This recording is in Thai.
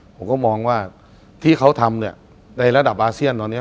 ผมก็มองว่าที่เขาทำเนี่ยในระดับอาเซียนตอนนี้